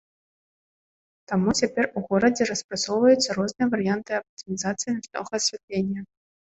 Таму цяпер у горадзе распрацоўваюцца розныя варыянты аптымізацыі начнога асвятлення.